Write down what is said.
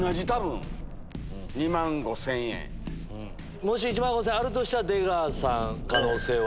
もし１万５０００円あるとしたら出川さん可能性は。